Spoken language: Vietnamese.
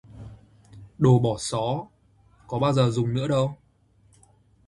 Đồ bỏ xó, có bao giờ dùng nữa đâu